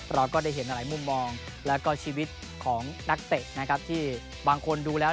เราก็ได้เห็นหลายมุมมองแล้วก็ชีวิตของนักเตะนะครับที่บางคนดูแล้ว